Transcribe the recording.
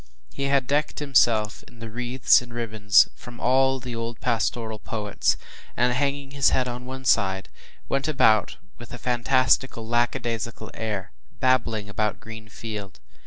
He had decked himself in wreaths and ribbons from all the old pastoral poets, and, hanging his head on one side, went about with a fantastical, lackadaisical air, “babbling about green field.